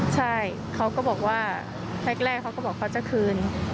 ใช่เขาก็บอกว่าแรกเขาก็บอกเขาจะคืน